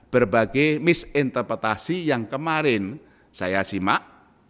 berbagai misinterpretasi yang kemarin saya simak